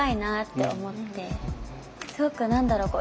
すごく何だろう